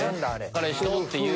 彼氏とっていう。